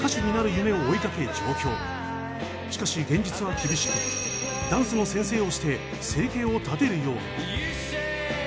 しかし現実は厳しくダンスの先生をして生計を立てるように。